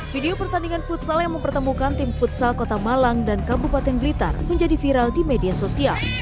video pertandingan futsal yang mempertemukan tim futsal kota malang dan kabupaten blitar menjadi viral di media sosial